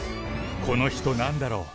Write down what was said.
この人なんだろう？